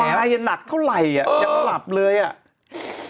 ลับอยู่แล้วไหวนักเท่าไรอ่ะจักรหลับเลยอ่ะ